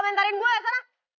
baru kali ini gue liat bosnya